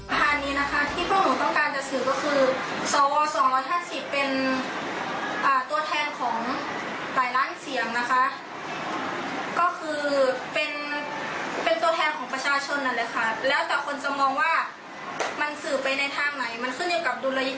มันขึ้นอยู่กับดุลยิคพินิษฐ์ของแต่ละคนค่ะ